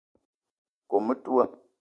Kome metoua